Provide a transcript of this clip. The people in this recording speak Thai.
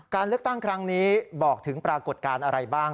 การเลือกตั้งครั้งนี้บอกถึงปรากฏการณ์อะไรบ้าง